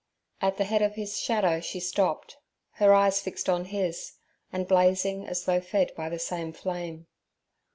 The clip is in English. At the head of his shadow she stopped, her eyes fixed on his, and blazing as though fed by the same flame.